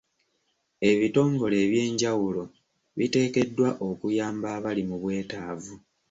Ebitongole ebyenjawulo biteekeddwa okuyamba abali mu bwetaavu.